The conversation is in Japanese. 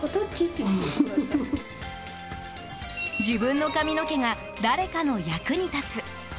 自分の髪の毛が誰かの役に立つ。